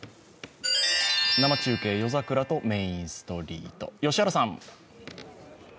生中継、夜桜とメインストリート。